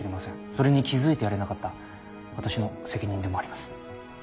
それに気付いてやれなかった私の責任でもあります。